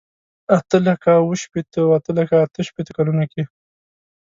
اته لکه اوه شپېته او اته لکه اته شپېته کلونو کې.